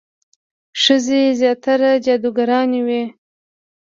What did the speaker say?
ښځې زیاتره جادوګرانې وي.